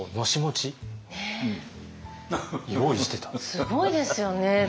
すごいですよね。